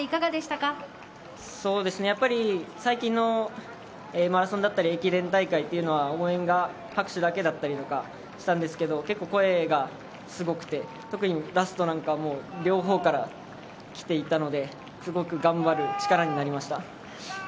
やっぱり最近のマラソンだったり駅伝大会は応援が拍手だけだったりしたんですけど声がすごくて特にラストは両方からきていたのですごく頑張る力になりました。